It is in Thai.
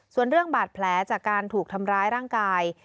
ส่วนเรื่องบาดแผลจากการถูกทำร้ายร่างกาย